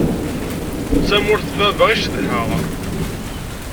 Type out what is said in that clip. D tamurt n baba i cedheɣ.